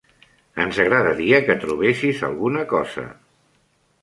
Ens agradaria que trobessis alguna cosa.